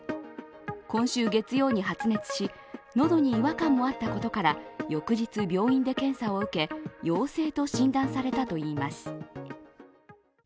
今週月曜に発熱し、喉に違和感もあったことから翌日、病院で検査を受け、陽性と診断されたといいます。